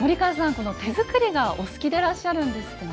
この手作りがお好きでいらっしゃるんですってね。